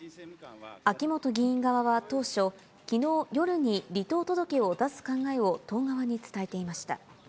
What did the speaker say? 秋本議員側は当初、きのう夜に離党届を出す考えを党側に伝えていました。